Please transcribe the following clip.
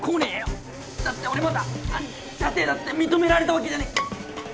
だって俺まだアニキに舎弟だって認められたわけじゃね。